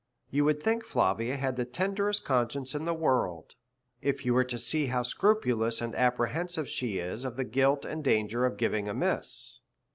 You would think Flavia had the tenderest con science in the world, if you was to see how scrupulous and apprehensive she is of the guilt and danger of giv ing amiss.